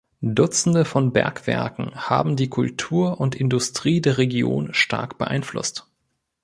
Dutzende von Bergwerken haben die Kultur und Industrie der Region stark beeinflusst.